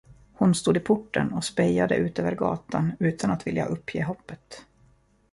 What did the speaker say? Hon stod i porten och spejade ut över gatan utan att vilja uppge hoppet.